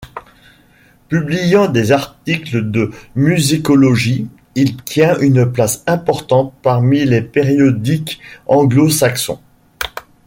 Publiant des articles de musicologie, il tient une place importante parmi les périodiques anglo-saxons.